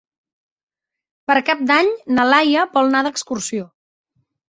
Per Cap d'Any na Laia vol anar d'excursió.